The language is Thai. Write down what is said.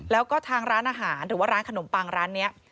แล้วก็ทางร้านอาหารหรือว่าร้านขนมปังร้านนี้